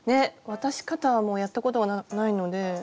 渡し方はやったことがないので。